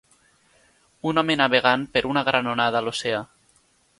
Un home navegant per una gran onada a l'oceà.